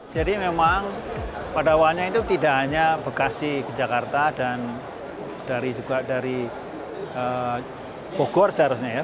jadi memang pada awalnya itu tidak hanya bekasi ke jakarta dan juga dari bogor seharusnya ya